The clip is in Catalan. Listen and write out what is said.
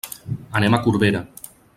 Anem a Corbera.